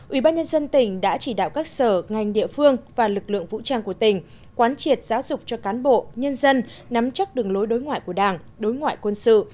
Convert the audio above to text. ubnd tỉnh đã chỉ đạo các sở ngành địa phương và lực lượng vũ trang của tỉnh quán triệt giáo dục cho cán bộ nhân dân nắm chắc đường lối đối ngoại của đảng đối ngoại quân sự